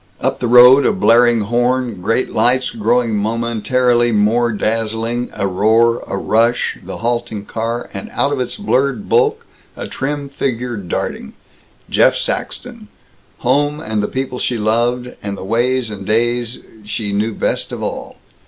Up the road, a blaring horn, great lights growing momently more dazzling, a roar, a rush, the halting car, and out of its blurred bulk, a trim figure darting Jeff Saxton home and the people she loved, and the ways and days she knew best of all.